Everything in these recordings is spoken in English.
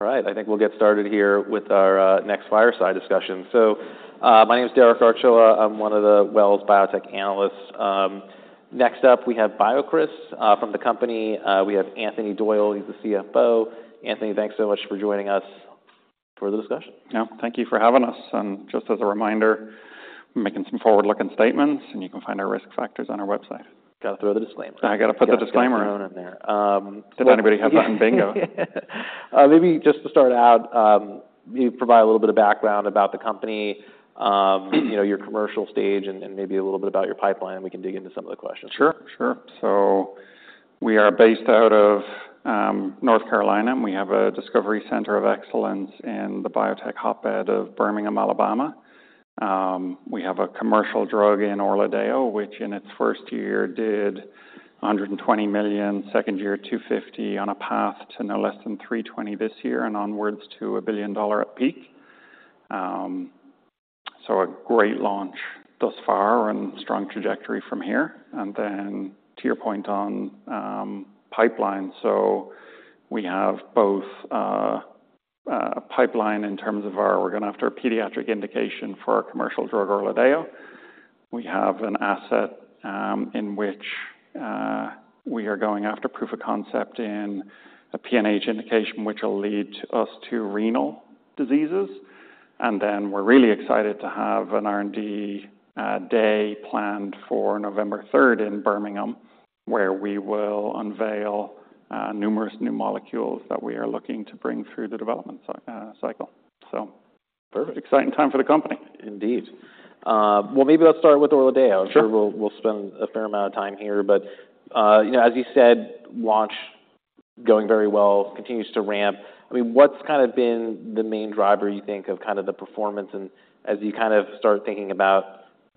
All right, I think we'll get started here with our next fireside discussion. So, my name is Derek Archila. I'm one of the Wells biotech analysts. Next up, we have BioCryst. From the company, we have Anthony Doyle. He's the CFO. Anthony, thanks so much for joining us for the discussion. Yeah, thank you for having us, and just as a reminder, I'm making some forward-looking statements, and you can find our risk factors on our website. Gotta throw the disclaimer. I gotta put the disclaimer in there. Um, Does anybody have that in bingo? Maybe just to start out, you provide a little bit of background about the company, you know, your commercial stage and maybe a little bit about your pipeline. We can dig into some of the questions. Sure, sure. So we are based out of North Carolina, and we have a discovery center of excellence in the biotech hotbed of Birmingham, Alabama. We have a commercial drug in ORLADEYO, which in its first year, did $120 million, second year, $250 million, on a path to no less than $320 million this year and onwards to a billion-dollar at peak. So a great launch thus far and strong trajectory from here. And then to your point on pipeline, so we have both pipeline in terms of our, we're going after a pediatric indication for our commercial drug, ORLADEYO. We have an asset in which we are going after proof of concept in a PNH indication, which will lead us to renal diseases. And then we're really excited to have an R&D Day planned for November 3rd in Birmingham, where we will unveil numerous new molecules that we are looking to bring through the development cycle. So Perfect. Exciting time for the company. Indeed. Well, maybe let's start with ORLADEYO. Sure. Well, we'll spend a fair amount of time here, but, you know, as you said, launch going very well, continues to ramp. I mean, what's kind of been the main driver, you think, of kind of the performance and as you kind of start thinking about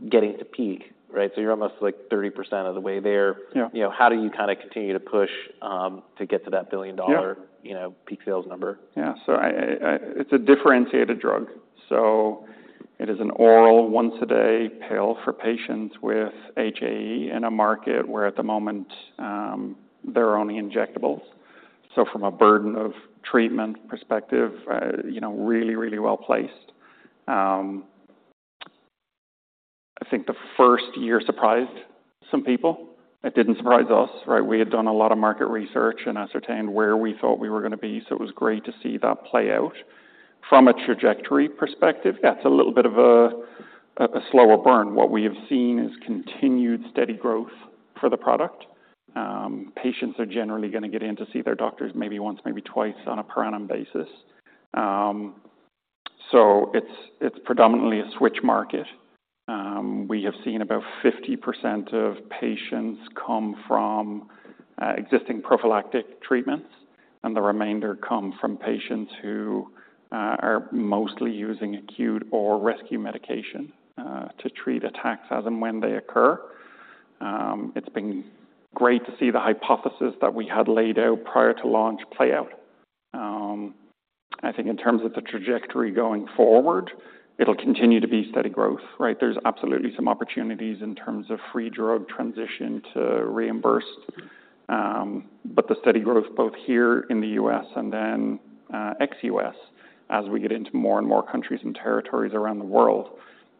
getting to peak, right? So you're almost, like, 30% of the way there. Yeah. You know, how do you kinda continue to push, to get to that billion-dollar Yeah You know, peak sales number? Yeah, so it's a differentiated drug. So it is an oral, once a day pill for patients with HAE in a market where, at the moment, there are only injectables. So from a burden of treatment perspective, you know, really, really well-placed. I think the first year surprised some people. It didn't surprise us, right? We had done a lot of market research and ascertained where we thought we were gonna be, so it was great to see that play out. From a trajectory perspective, that's a little bit of a slower burn. What we have seen is continued steady growth for the product. Patients are generally gonna get in to see their doctors maybe once, maybe twice, on a per annum basis. So it's predominantly a switch market. We have seen about 50% of patients come from existing prophylactic treatments, and the remainder come from patients who are mostly using acute or rescue medication to treat attacks as and when they occur. It's been great to see the hypothesis that we had laid out prior to launch play out. I think in terms of the trajectory going forward, it'll continue to be steady growth, right? There's absolutely some opportunities in terms of free drug transition to reimbursed, but the steady growth, both here in the U.S. and then ex-U.S., as we get into more and more countries and territories around the world,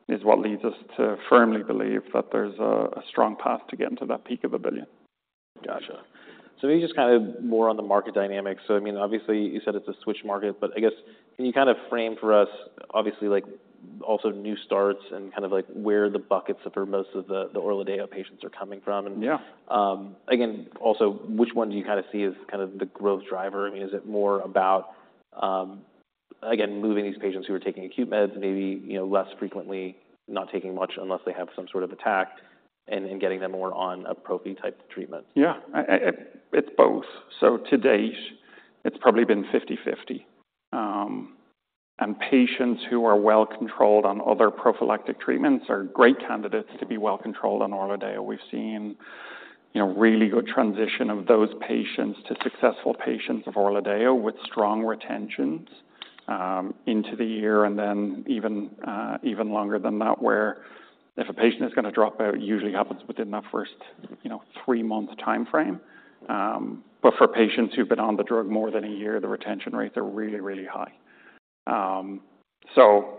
is what leads us to firmly believe that there's a strong path to getting to that peak of $1 billion. Gotcha. So maybe just kind of more on the market dynamics. So I mean, obviously, you said it's a switch market, but I guess, can you kind of frame for us, obviously, like, also new starts and kind of like where the buckets of where most of the, the ORLADEYO patients are coming from? Yeah. Again, also, which ones do you kinda see as kind of the growth driver? I mean, is it more about, again, moving these patients who are taking acute meds maybe, you know, less frequently, not taking much unless they have some sort of attack, and getting them more on a prophy type of treatment? Yeah. It's both. So to date, it's probably been 50/50. And patients who are well-controlled on other prophylactic treatments are great candidates to be well-controlled on ORLADEYO. We've seen, you know, really good transition of those patients to successful patients of ORLADEYO, with strong retentions into the year and then even longer than that, where if a patient is gonna drop out, it usually happens within that first, you know, three-month timeframe. But for patients who've been on the drug more than a year, the retention rates are really, really high. So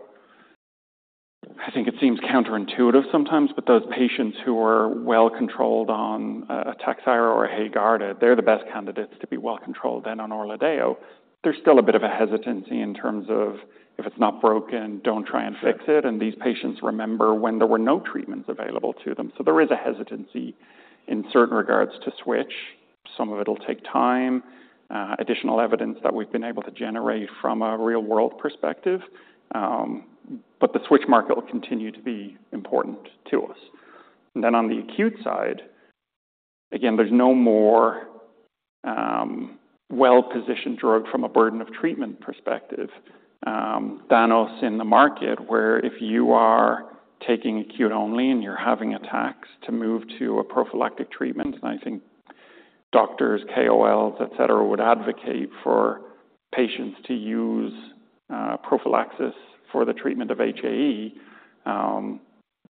I think it seems counterintuitive sometimes, but those patients who are well-controlled on Takhzyro or HAEGARDA, they're the best candidates to be well-controlled then on ORLADEYO. There's still a bit of a hesitancy in terms of if it's not broken, don't try and fix it. Sure. These patients remember when there were no treatments available to them, so there is a hesitancy in certain regards to switch. Some of it'll take time, additional evidence that we've been able to generate from a real-world perspective, but the switch market will continue to be important to us. And then on the acute side, again, there's no more well-positioned drug from a burden of treatment perspective than us in the market, where if you are taking acute only and you're having attacks, to move to a prophylactic treatment, and I think doctors, KOLs, et cetera, would advocate for patients to use prophylaxis for the treatment of HAE.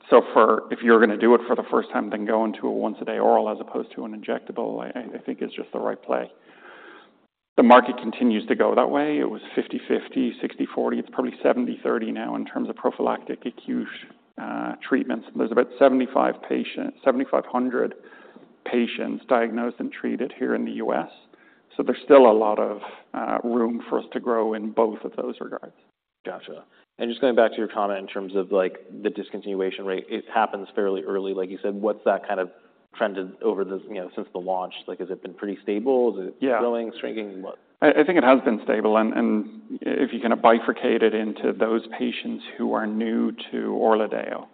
So if you're gonna do it for the first time, then go into a once-a-day oral as opposed to an injectable. I think it's just the right play. The market continues to go that way. It was 50/50, 60/40, it's probably 70/30 now in terms of prophylactic acute, treatments. There's about 7,500 patients diagnosed and treated here in the U.S., so there's still a lot of, room for us to grow in both of those regards. Gotcha. Just going back to your comment in terms of, like, the discontinuation rate, it happens fairly early. Like you said, what's that kind of trended over the, you know, since the launch? Like, has it been pretty stable? Yeah. Is it growing, shrinking, what? I think it has been stable, and if you kind of bifurcate it into those patients who are new to ORLADEYO,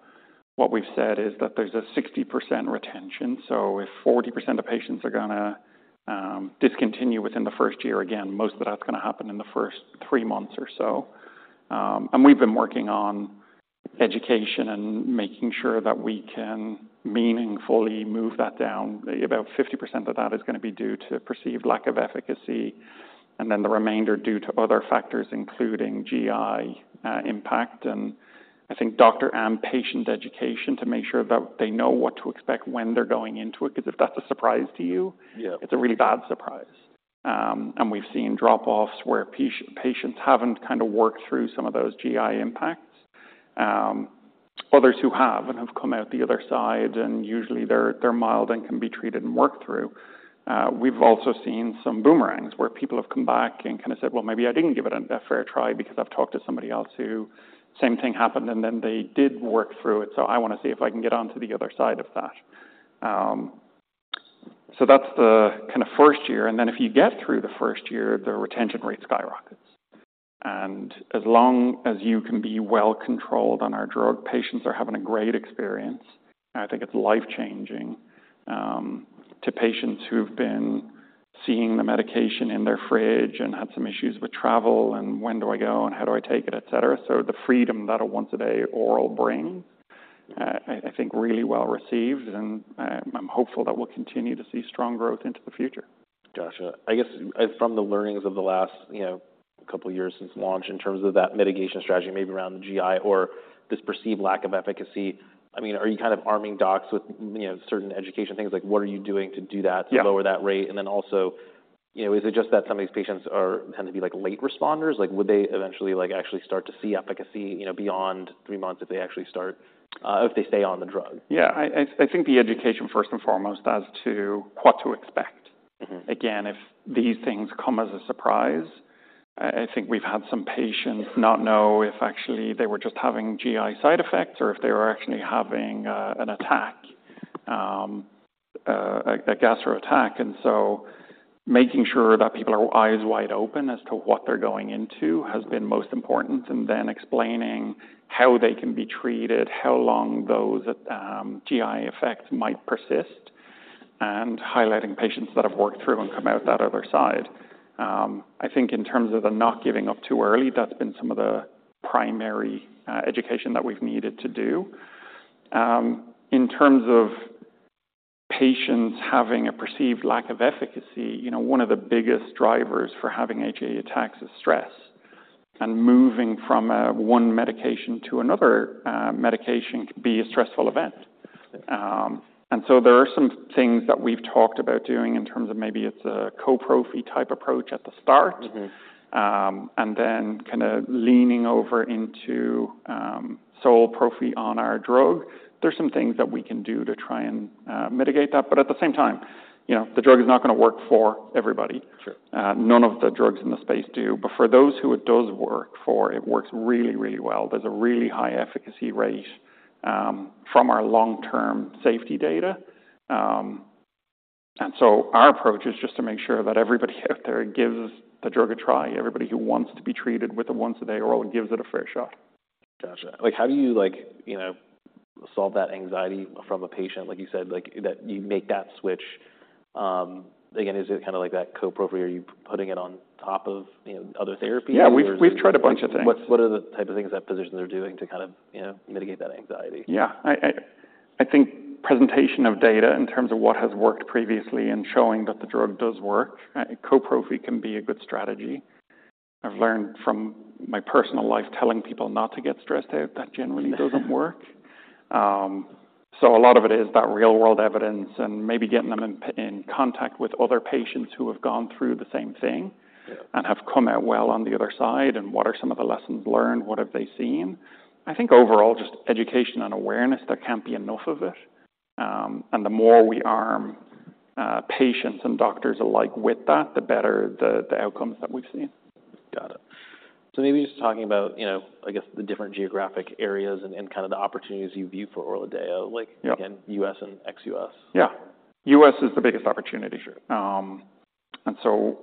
what we've said is that there's a 60% retention. So if 40% of patients are gonna discontinue within the first year, again, most of that's gonna happen in the first three months or so. We've been working on education and making sure that we can meaningfully move that down. About 50% of that is gonna be due to perceived lack of efficacy, and then the remainder due to other factors, including GI impact, and I think doctor and patient education, to make sure that they know what to expect when they're going into it, because if that's a surprise to you. Yeah It's a really bad surprise. And we've seen drop-offs where patients haven't kind of worked through some of those GI impacts. Others who have and have come out the other side, and usually they're mild and can be treated and worked through. We've also seen some boomerangs, where people have come back and kind of said, "Well, maybe I didn't give it a fair try because I've talked to somebody else who same thing happened, and then they did work through it. So I want to see if I can get onto the other side of that." So that's the kind of first year, and then if you get through the first year, the retention rate skyrockets. As long as you can be well-controlled on our drug, patients are having a great experience, and I think it's life-changing to patients who've been seeing the medication in their fridge and had some issues with travel, and when do I go, and how do I take it, et cetera. So the freedom that a once-a-day oral brings, I think really well received, and I'm hopeful that we'll continue to see strong growth into the future. Gotcha. I guess, from the learnings of the last, you know, couple of years since launch, in terms of that mitigation strategy, maybe around the GI or this perceived lack of efficacy, I mean, are you kind of arming docs with, you know, certain education things? Like, what are you doing to do that. Yeah To lower that rate? And then also, you know, is it just that some of these patients are, tend to be, like, late responders? Like, would they eventually, like, actually start to see efficacy, you know, beyond three months if they actually start, if they stay on the drug? Yeah, I think the education first and foremost as to what to expect. Mm-hmm. Again, if these things come as a surprise, I think we've had some patients not know if actually they were just having GI side effects or if they were actually having an attack, a gastro attack. And so making sure that people are eyes wide open as to what they're going into has been most important, and then explaining how they can be treated, how long those GI effects might persist, and highlighting patients that have worked through and come out that other side. I think in terms of the not giving up too early, that's been some of the primary education that we've needed to do. In terms of patients having a perceived lack of efficacy, you know, one of the biggest drivers for having HAE attacks is stress, and moving from one medication to another medication can be a stressful event. And so there are some things that we've talked about doing in terms of maybe it's a co-prophy type approach at the start. Mm-hmm And then kind of leaning over into sole prophy on our drug. There are some things that we can do to try and mitigate that, but at the same time, you know, the drug is not gonna work for everybody. Sure. None of the drugs in the space do. But for those who it does work for, it works really, really well. There's a really high efficacy rate from our long-term safety data. And so our approach is just to make sure that everybody out there gives the drug a try, everybody who wants to be treated with a once-a-day oral gives it a fair shot. Gotcha. Like, how do you, like, you know, solve that anxiety from a patient? Like you said, like, that you make that switch. Again, is it kind of like that co-prophy, or are you putting it on top of, you know, other therapies? Yeah, we've tried a bunch of things. What, what are the type of things that physicians are doing to kind of, you know, mitigate that anxiety? Yeah, I think presentation of data in terms of what has worked previously and showing that the drug does work. Co-prophy can be a good strategy. I've learned from my personal life, telling people not to get stressed out, that generally doesn't work. So a lot of it is that real-world evidence and maybe getting them in contact with other patients who have gone through the same thing. Yeah And have come out well on the other side, and what are some of the lessons learned? What have they seen? I think overall, just education and awareness, there can't be enough of it. And the more we arm patients and doctors alike with that, the better the outcomes that we've seen. Got it. So maybe just talking about, you know, I guess the different geographic areas and kind of the opportunities you view for ORLADEYO, like. Yeah Again, U.S. and ex-U.S. Yeah. U.S. is the biggest opportunity. Sure. And so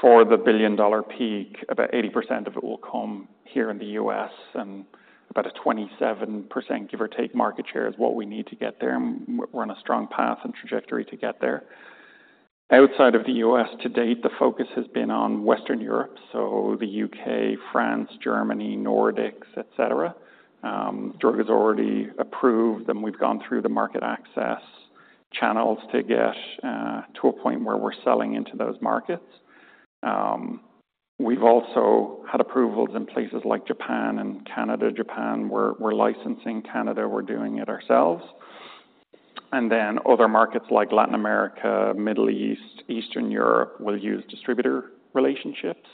for the billion-dollar peak, about 80% of it will come here in the U.S., and about a 27%, give or take, market share is what we need to get there, and we're on a strong path and trajectory to get there. Outside of the U.S., to date, the focus has been on Western Europe, so the U.K., France, Germany, Nordics, et cetera. Drug is already approved, and we've gone through the market access channels to get to a point where we're selling into those markets. We've also had approvals in places like Japan and Canada. Japan, we're licensing. Canada, we're doing it ourselves. And then other markets like Latin America, Middle East, Eastern Europe, we'll use distributor relationships.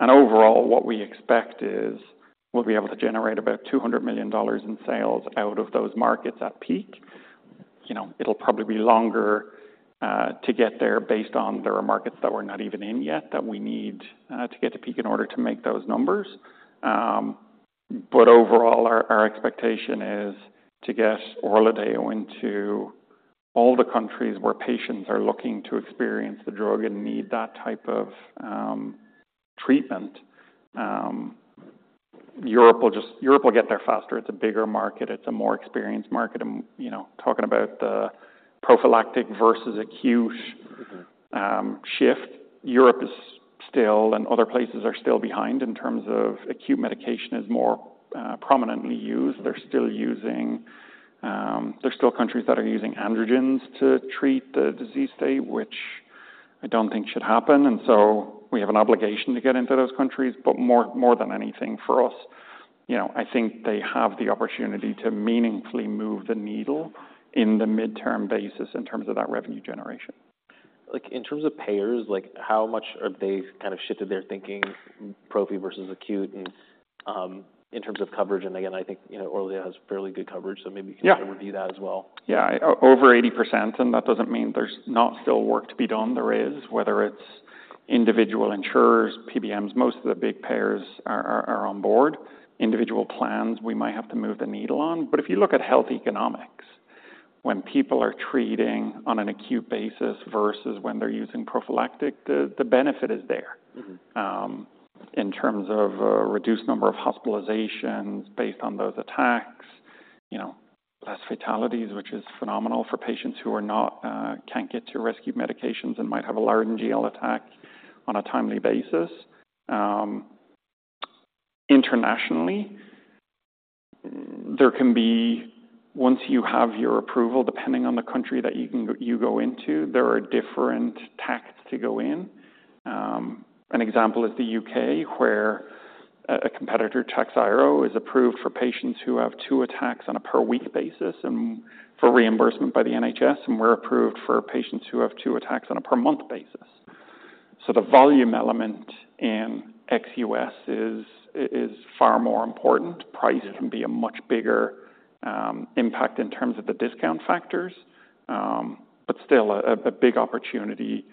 Overall, what we expect is we'll be able to generate about $200 million in sales out of those markets at peak. You know, it'll probably be longer to get there based on there are markets that we're not even in yet that we need to get to peak in order to make those numbers. But overall, our expectation is to get ORLADEYO into all the countries where patients are looking to experience the drug and need that type of treatment. Europe will get there faster. It's a bigger market. It's a more experienced market and, you know, talking about the prophylactic versus acute- Mm-hmm. Europe is still, and other places are still behind in terms of acute medication, which is more prominently used. They're still using, there are still countries that are using androgens to treat the disease state, which I don't think should happen, and so we have an obligation to get into those countries. But more than anything for us, you know, I think they have the opportunity to meaningfully move the needle in the mid-term basis in terms of that revenue generation. Like, in terms of payers, like, how much have they kind of shifted their thinking, prophy versus acute, in, in terms of coverage? And again, I think, you know, ORLADEYO has fairly good coverage, so maybe. Yeah You can review that as well. Yeah, over 80%, and that doesn't mean there's not still work to be done. There is, whether it's individual insurers, PBMs, most of the big payers are on board. Individual plans, we might have to move the needle on. But if you look at health economics, when people are treating on an acute basis versus when they're using prophylactic, the benefit is there. Mm-hmm. In terms of, reduced number of hospitalizations based on those attacks, you know, less fatalities, which is phenomenal for patients who are not can't get to rescue medications and might have a laryngeal attack on a timely basis. Internationally, there can be. Once you have your approval, depending on the country that you can you go into, there are different tactics to go in. An example is the U.K., where a competitor, Takhzyro, is approved for patients who have two attacks on a per-week basis and for reimbursement by the NHS, and we're approved for patients who have two attacks on a per-month basis. So the volume element in ex-U.S. is far more important. Mm-hmm. Price can be a much bigger impact in terms of the discount factors, but still a big opportunity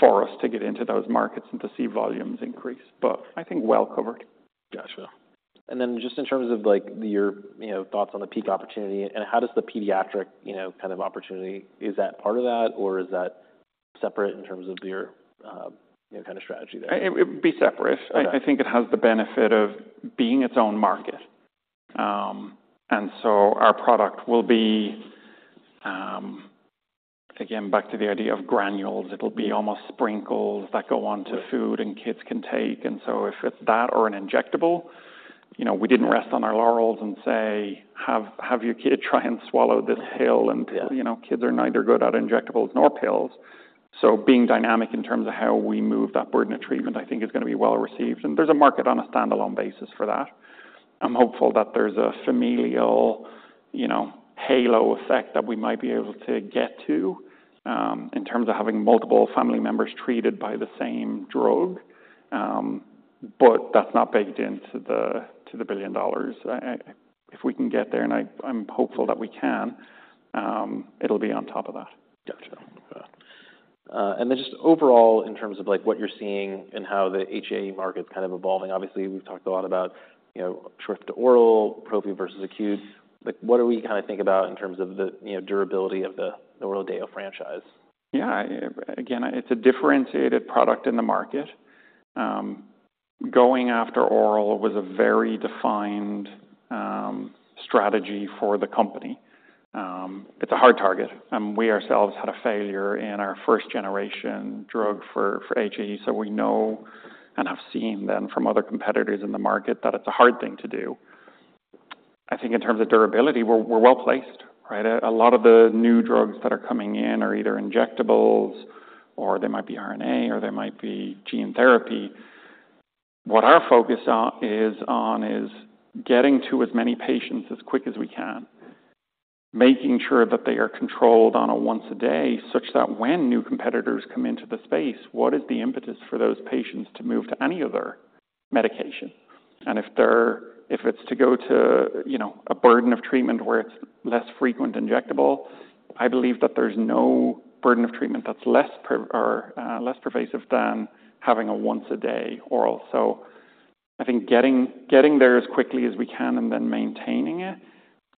for us to get into those markets and to see volumes increase, but I think well covered. Gotcha. Then just in terms of, like, your, you know, thoughts on the peak opportunity, and how does the pediatric, you know, kind of opportunity, is that part of that, or is that separate in terms of your, you know, kind of strategy there? It would be separate. Okay. I, I think it has the benefit of being its own market. And so our product will be again, back to the idea of granules, it'll be almost sprinkles that go on to food. Sure And kids can take. And so if it's that or an injectable, you know, we didn't rest on our laurels and say, "Have your kid try and swallow this pill. Yeah. You know, kids are neither good at injectables nor pills. Being dynamic in terms of how we move that burden of treatment, I think, is going to be well received, and there's a market on a standalone basis for that. I'm hopeful that there's a familial, you know, halo effect that we might be able to get to, in terms of having multiple family members treated by the same drug. But that's not baked into the $1 billion. If we can get there, and I'm hopeful that we can, it'll be on top of that. Gotcha. And then just overall, in terms of, like, what you're seeing and how the HAE market is kind of evolving, obviously, we've talked a lot about, you know, shift to oral, prophy versus acute. Like, what do we kind of think about in terms of the, you know, durability of the, the ORLADEYO franchise? Yeah. Again, it's a differentiated product in the market. Going after oral was a very defined strategy for the company. It's a hard target, and we ourselves had a failure in our first-generation drug for HAE. So we know, and have seen then from other competitors in the market, that it's a hard thing to do. I think in terms of durability, we're well placed, right? A lot of the new drugs that are coming in are either injectables, or they might be RNA, or they might be gene therapy. What our focus on is getting to as many patients as quick as we can, making sure that they are controlled on a once a day, such that when new competitors come into the space, what is the impetus for those patients to move to any other medication? If it's to go to, you know, a burden of treatment where it's less frequent injectable, I believe that there's no burden of treatment that's less pervasive than having a once-a-day oral. So I think getting there as quickly as we can and then maintaining it,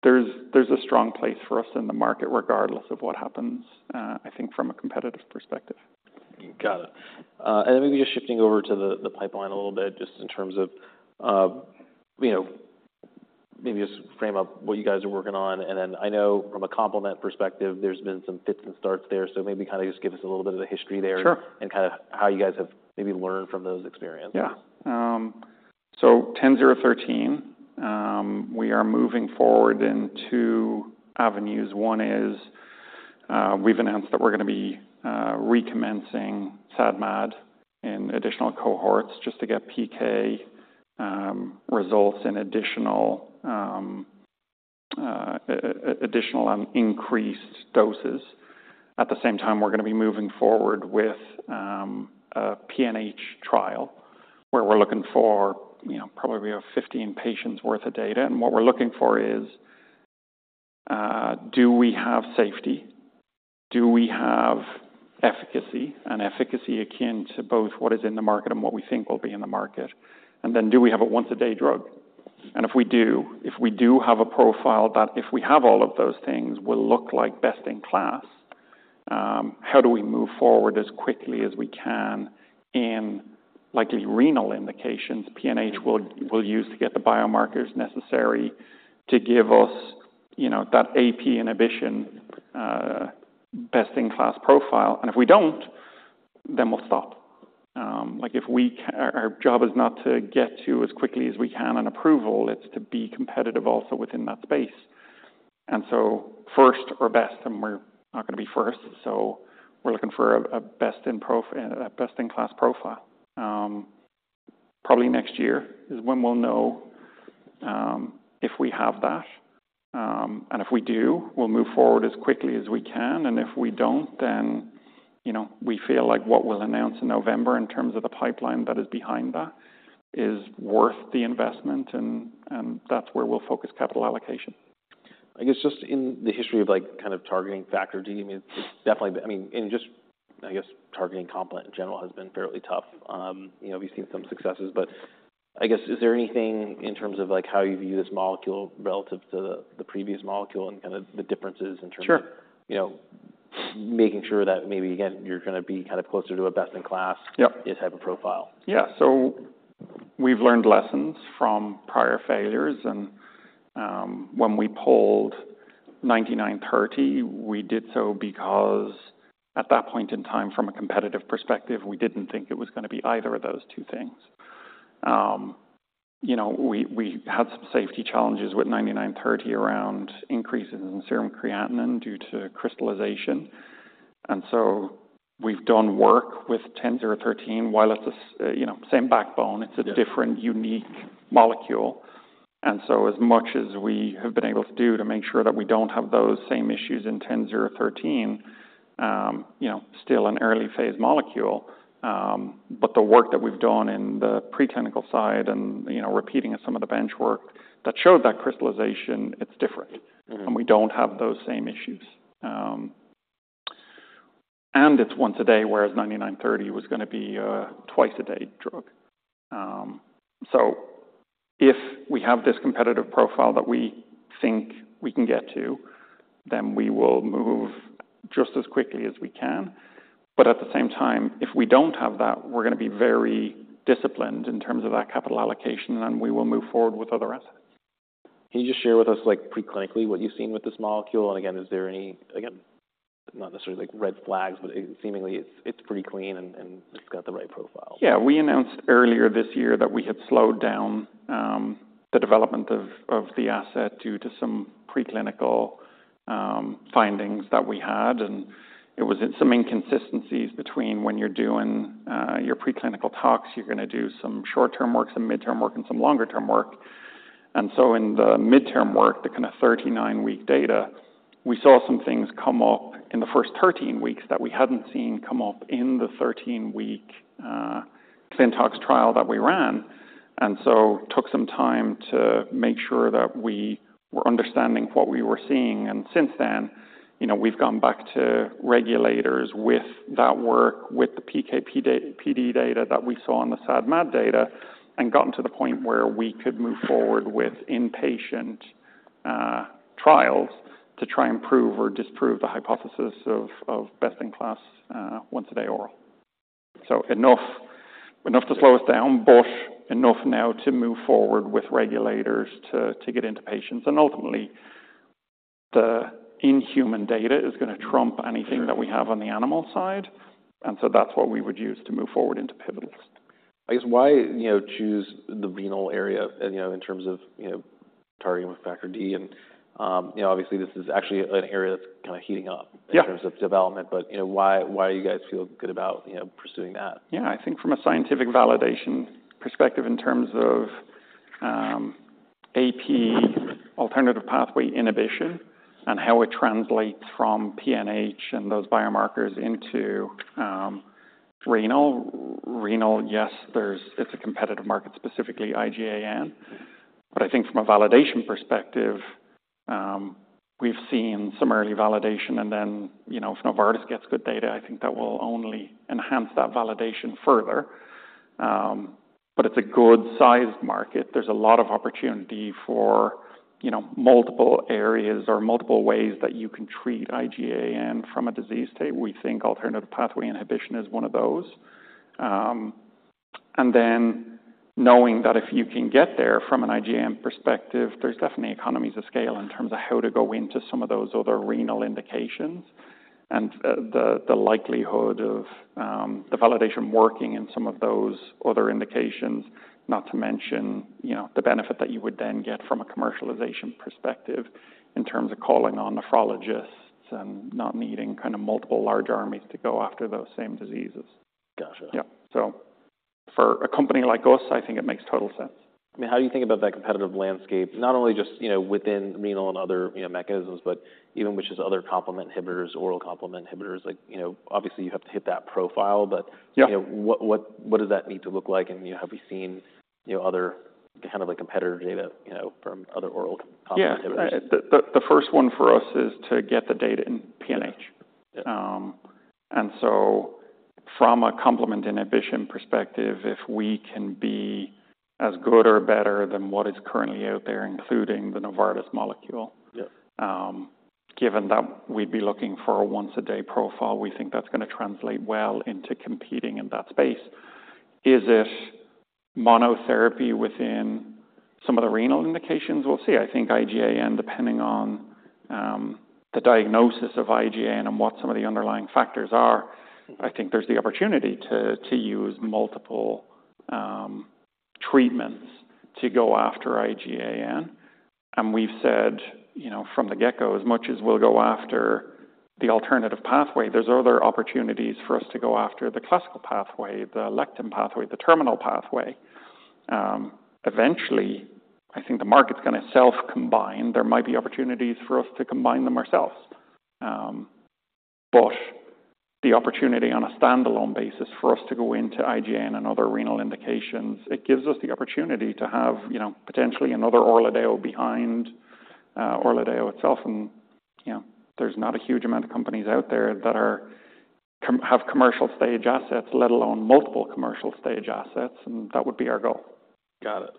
there's a strong place for us in the market, regardless of what happens, I think from a competitive perspective. Got it. And then maybe just shifting over to the pipeline a little bit, just in terms of, you know, maybe just frame up what you guys are working on. And then I know from a complement perspective, there's been some fits and starts there, so maybe kind of just give us a little bit of the history there. Sure And kind of how you guys have maybe learned from those experiences. Yeah. So BCX10013, we are moving forward in two avenues. One is, we've announced that we're gonna be recommencing SAD, MAD in additional cohorts just to get PK results in additional and increased doses. At the same time, we're gonna be moving forward with a PNH trial, where we're looking for, you know, probably around 15 patients worth of data. And what we're looking for is, do we have safety? Do we have efficacy and efficacy akin to both what is in the market and what we think will be in the market? And then do we have a once-a-day drug? And if we do have a profile that if we have all of those things, will look like best-in-class, how do we move forward as quickly as we can in likely renal indications. PNH will use to get the biomarkers necessary to give us, you know, that AP inhibition, best-in-class profile. And if we don't, then we'll stop. Like, Our job is not to get to as quickly as we can on approval, it's to be competitive also within that space. And so first or best, and we're not gonna be first, so we're looking for a best-in-class profile. Probably next year is when we'll know if we have that. If we do, we'll move forward as quickly as we can, and if we don't, then, you know, we feel like what we'll announce in November in terms of the pipeline that is behind that is worth the investment, and that's where we'll focus capital allocation. I guess just in the history of, like, kind of targeting Factor D, I mean, it's definitely, I mean, in just, I guess, targeting complement in general has been fairly tough. You know, we've seen some successes, but I guess, is there anything in terms of, like, how you view this molecule relative to the, the previous molecule and kind of the differences in terms of. Sure. You know, making sure that maybe, again, you're gonna be kind of closer to a best-in-class-. Yep. Ish type of profile? Yeah. So we've learned lessons from prior failures, and when we pulled BCX9930, we did so because at that point in time, from a competitive perspective, we didn't think it was gonna be either of those two things. You know, we had some safety challenges with BCX9930 around increases in serum creatinine due to crystallization, and so we've done work with BCX10013. While it's, you know, same backbone. Yeah It's a different, unique molecule. And so as much as we have been able to do to make sure that we don't have those same issues in BCX10013, you know, still an early-phase molecule, but the work that we've done in the preclinical side and, you know, repeating some of the bench work that showed that crystallization, it's different. Mm-hmm. We don't have those same issues. It's once a day, whereas BCX9930 was gonna be a twice-a-day drug. So if we have this competitive profile that we think we can get to, then we will move just as quickly as we can. But at the same time, if we don't have that, we're gonna be very disciplined in terms of that capital allocation, and we will move forward with other assets. Can you just share with us, like, preclinically, what you've seen with this molecule? And again, is there any, again, not necessarily, like, red flags, but seemingly, it's, it's pretty clean, and, and it's got the right profile? Yeah. We announced earlier this year that we had slowed down the development of the asset due to some preclinical findings that we had, and it was in some inconsistencies between when you're doing your preclinical talks, you're gonna do some short-term work, some midterm work, and some longer-term work. And so in the midterm work, the kind of 39-week data, we saw some things come up in the first 13 weeks that we hadn't seen come up in the 13-week ClinTox trial that we ran, and so took some time to make sure that we were understanding what we were seeing. Since then, you know, we've gone back to regulators with that work, with the PK, PD, PD data that we saw on the SAD MAD data, and gotten to the point where we could move forward with in-patient trials to try and prove or disprove the hypothesis of best-in-class once-a-day oral. So enough, enough to slow us down, but enough now to move forward with regulators to get into patients. And ultimately, the in-human data is gonna trump anything- Sure That we have on the animal side, and so that's what we would use to move forward into pivotals. I guess, why, you know, choose the renal area, you know, in terms of, you know, targeting with factor D? And, you know, obviously, this is actually an area that's kind of heating up. Yeah In terms of development. But, you know, why, why do you guys feel good about, you know, pursuing that? Yeah. I think from a scientific validation perspective, in terms of AP, alternative pathway inhibition and how it translates from PNH and those biomarkers into renal. Renal, yes, there's, it's a competitive market, specifically IgAN. Mm-hmm. But I think from a validation perspective, we've seen some early validation and then, you know, if Novartis gets good data, I think that will only enhance that validation further. But it's a good-sized market. There's a lot of opportunity for, you know, multiple areas or multiple ways that you can treat IgAN from a disease state. We think alternative pathway inhibition is one of those. And then knowing that if you can get there from an IgAN perspective, there's definitely economies of scale in terms of how to go into some of those other renal indications. And the likelihood of the validation working in some of those other indications, not to mention, you know, the benefit that you would then get from a commercialization perspective in terms of calling on nephrologists and not needing kind of multiple large armies to go after those same diseases. Gotcha. Yeah. So for a company like us, I think it makes total sense. I mean, how do you think about that competitive landscape? Not only just, you know, within renal and other, you know, mechanisms, but even with just other complement inhibitors, oral complement inhibitors. Like, you know, obviously, you have to hit that profile, but- Yeah. You know, what does that need to look like? You know, have you seen, you know, other kind of, like, competitor data, you know, from other oral complement inhibitors? Yeah. The first one for us is to get the data in PNH. Yeah. And so from a complement inhibition perspective, if we can be as good or better than what is currently out there, including the Novartis molecule- Yes Given that we'd be looking for a once-a-day profile, we think that's gonna translate well into competing in that space. Is it monotherapy within some of the renal indications? We'll see. I think IgAN, depending on the diagnosis of IgAN and what some of the underlying factors are, I think there's the opportunity to use multiple treatments to go after IgAN. And we've said, you know, from the get-go, as much as we'll go after the alternative pathway, there's other opportunities for us to go after the classical pathway, the lectin pathway, the terminal pathway. Eventually, I think the market's gonna self-combine. There might be opportunities for us to combine them ourselves. But the opportunity on a standalone basis for us to go into IgAN and other renal indications, it gives us the opportunity to have, you know, potentially another ORLADEYO behind ORLADEYO itself. And, you know, there's not a huge amount of companies out there that have commercial-stage assets, let alone multiple commercial-stage assets, and that would be our goal. Got it.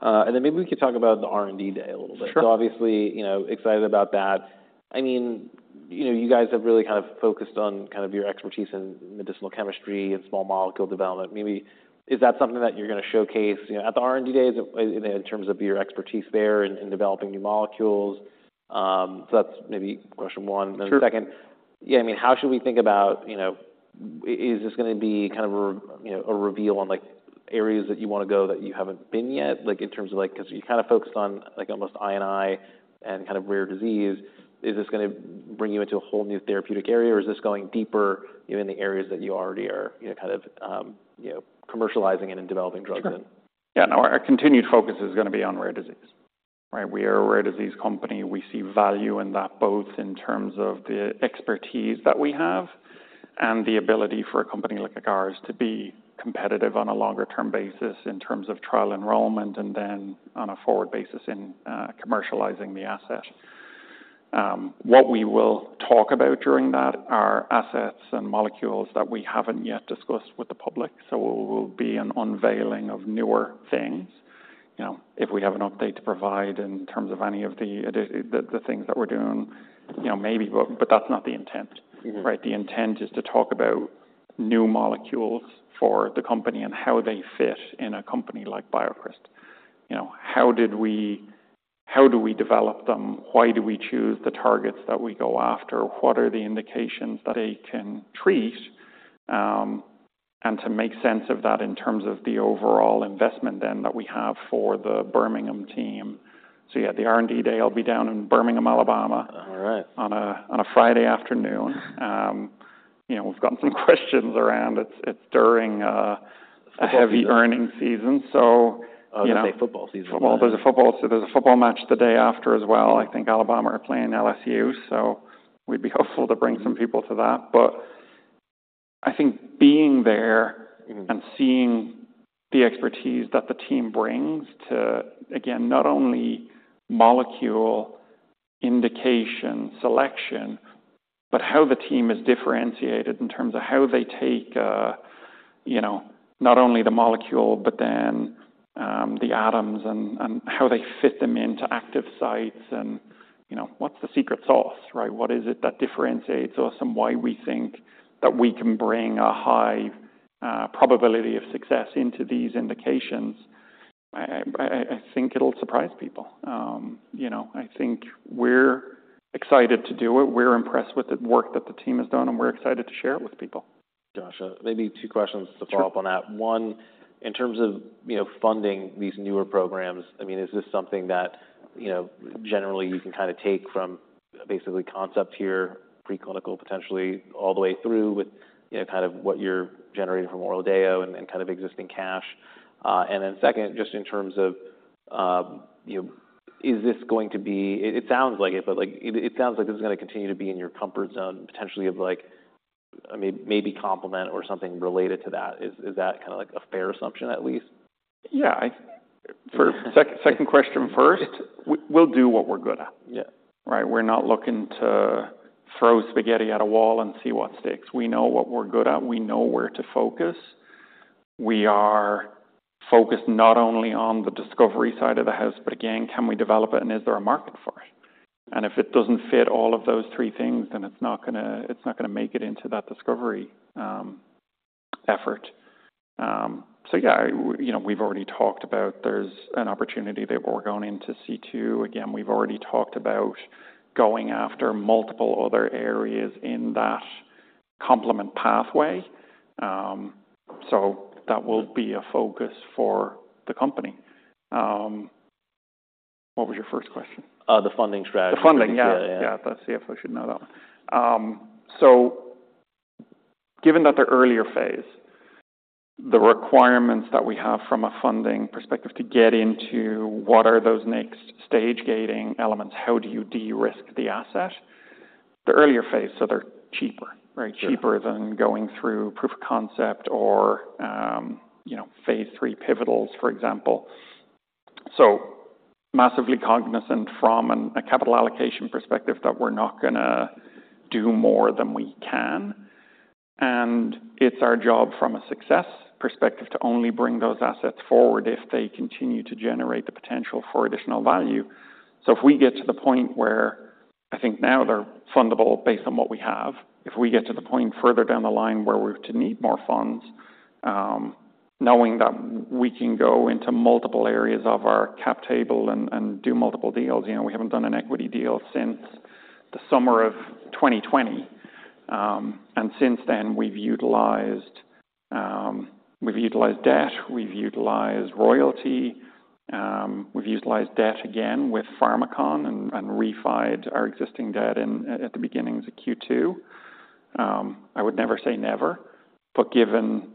And then maybe we could talk about the R&D Day a little bit. Sure. So obviously, you know, excited about that. I mean, you guys have really kind of focused on kind of your expertise in medicinal chemistry and small molecule development. Maybe, is that something that you're gonna showcase, you know, at the R&D Day, in terms of your expertise there in developing new molecules? So that's maybe question one. Sure. Then the second, yeah, I mean, how should we think about, you know, is this gonna be kind of a reveal, you know, on, like, areas that you wanna go that you haven't been yet? Like, in terms of, like, 'cause you kind of focused on, like, almost I&I and kind of rare disease. Is this gonna bring you into a whole new therapeutic area, or is this going deeper in the areas that you already are, you know, kind of, you know, commercializing and, and developing drugs in? Sure. Yeah, no, our continued focus is gonna be on rare disease, right? We are a rare disease company. We see value in that, both in terms of the expertise that we have and the ability for a company like ours to be competitive on a longer-term basis in terms of trial enrollment, and then on a forward basis in commercializing the asset. What we will talk about during that are assets and molecules that we haven't yet discussed with the public, so it will be an unveiling of newer things. You know, if we have an update to provide in terms of any of the things that we're doing, you know, maybe, but that's not the intent. Mm-hmm. Right? The intent is to talk about new molecules for the company and how they fit in a company like BioCryst. You know, how did we, how do we develop them? Why do we choose the targets that we go after? What are the indications that they can treat? And to make sense of that in terms of the overall investment then that we have for the Birmingham team. So yeah, the R&D Day will be down in Birmingham, Alabama. All right On a Friday afternoon. You know, we've gotten some questions around. It's during Football season Aheavy earnings season, so, you know- I was gonna say football season. Football. There's a football, so there's a football match the day after as well. Mm-hmm. I think Alabama are playing LSU, so we'd be hopeful to bring some people to that. But I think being there- Mm-hmm And seeing the expertise that the team brings to, again, not only molecule indication, selection, but how the team is differentiated in terms of how they take, you know, not only the molecule, but then, the atoms and how they fit them into active sites and, you know, what's the secret sauce, right? What is it that differentiates us, and why we think that we can bring a high, probability of success into these indications. I think it'll surprise people. You know, I think we're excited to do it. We're impressed with the work that the team has done, and we're excited to share it with people. Gotcha. Maybe two questions to follow up on that. Sure. One, in terms of, you know, funding these newer programs, I mean, is this something that, you know, generally you can kind of take from basically concept here, preclinical, potentially all the way through with, you know, kind of what you're generating from ORLADEYO and, and kind of existing cash? And then second, just in terms of, you know, is this going to be, it, it sounds like it, but, like, it, it sounds like this is gonna continue to be in your comfort zone, potentially of like, I mean, maybe complement or something related to that. Is, is that kind of like a fair assumption, at least? Yeah, for second question first—we'll do what we're good at. Yeah. Right? We're not looking to throw spaghetti at a wall and see what sticks. We know what we're good at. We know where to focus. We are focused not only on the discovery side of the house, but again, can we develop it, and is there a market for it? And if it doesn't fit all of those three things, then it's not gonna, it's not gonna make it into that discovery effort. So yeah, you know, we've already talked about there's an opportunity that we're going into C2. Again, we've already talked about going after multiple other areas in that complement pathway. So that will be a focus for the company. What was your first question? The funding strategy. The funding? Yeah. Yeah. Yeah. The CFO should know that one. So given that they're earlier phase, the requirements that we have from a funding perspective to get into what are those next stage gating elements, how do you de-risk the asset? The earlier phase, so they're cheaper- Right. Cheaper than going through proof of concept or, you know, phase 3 pivotals, for example. So massively cognizant from an, a capital allocation perspective, that we're not gonna do more than we can. And it's our job from a success perspective, to only bring those assets forward if they continue to generate the potential for additional value. So if we get to the point where I think now they're fundable based on what we have, if we get to the point further down the line where we're to need more funds, knowing that we can go into multiple areas of our cap table and, and do multiple deals. You know, we haven't done an equity deal since the summer of 2020. And since then, we've utilized, we've utilized debt, we've utilized royalty, we've utilized debt again with Pharmakon and refinanced our existing debt at the beginning of the Q2. I would never say never, but given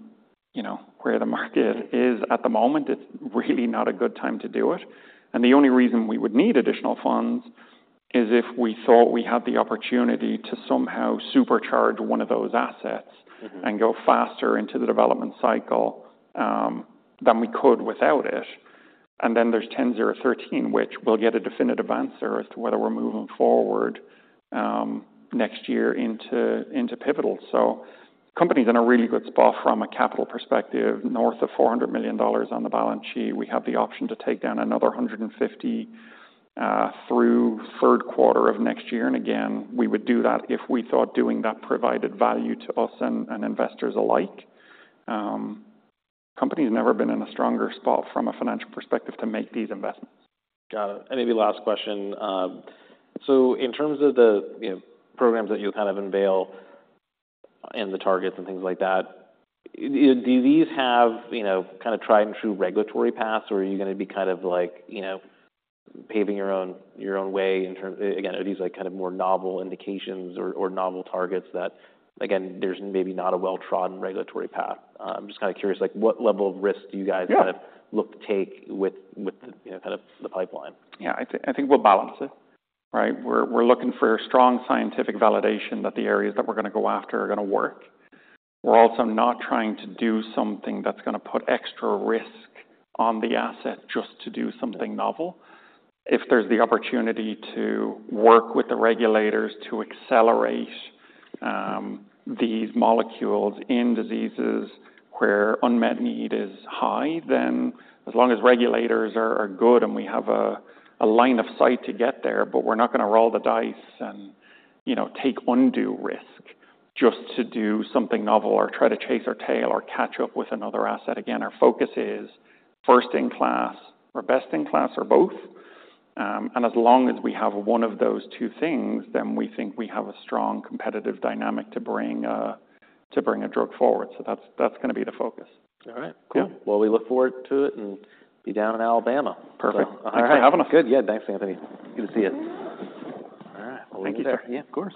you know, where the market is at the moment, it's really not a good time to do it. And the only reason we would need additional funds is if we thought we had the opportunity to somehow supercharge one of those assets. Mm-hmm. And go faster into the development cycle than we could without it. And then there's BCX10013, which we'll get a definitive answer as to whether we're moving forward next year into pivotal. So company's in a really good spot from a capital perspective. North of $400 million on the balance sheet. We have the option to take down another $150 million through third quarter of next year. And again, we would do that if we thought doing that provided value to us and investors alike. Company's never been in a stronger spot from a financial perspective to make these investments. Got it. And maybe last question. So in terms of the, you know, programs that you'll kind of unveil and the targets and things like that, do these have, you know, kind of tried and true regulatory paths? Or are you gonna be kind of like, you know, paving your own, your own way in terms, again, are these, like, kind of more novel indications or, or novel targets that, again, there's maybe not a well-trodden regulatory path? I'm just kinda curious, like, what level of risk do you guys. Yeah Kinda look to take with, you know, kind of the pipeline? Yeah, I think we'll balance it, right? We're looking for strong scientific validation that the areas that we're gonna go after are gonna work. We're also not trying to do something that's gonna put extra risk on the asset just to do something novel. If there's the opportunity to work with the regulators to accelerate these molecules in diseases where unmet need is high, then as long as regulators are good and we have a line of sight to get there, but we're not gonna roll the dice and, you know, take undue risk just to do something novel or try to chase our tail or catch up with another asset. Again, our focus is first in class or best in class or both. As long as we have one of those two things, then we think we have a strong competitive dynamic to bring a drug forward. So that's gonna be the focus. All right. Cool. Yeah. Well, we look forward to it and be down in Alabama. Perfect. All right. Have a nice. Good. Yeah, thanks, Anthony. Good to see you. All right. Thank you, sir. Yeah, of course.